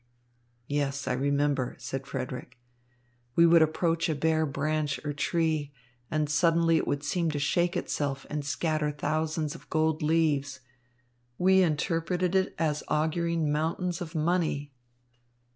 "Yes, I remember," said Frederick. "We would approach a bare branch or tree, and suddenly it would seem to shake itself and scatter thousands of gold leaves. We interpreted it as auguring mountains of money."